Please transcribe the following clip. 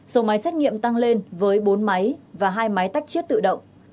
số máy xét nghiệm tăng lên với bốn máy và hai máy tách chiết tự động